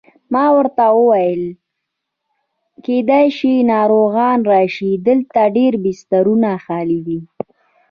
ما ورته وویل: کېدای شي ناروغان راشي، دلته ډېر بسترونه خالي دي.